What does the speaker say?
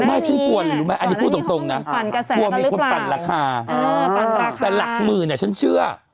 ไม่ฉันกวนอันนี้พูดตรงนะพวกมีคนปั่นราคาแต่หลักหมื่นเนี่ยฉันเชื่อ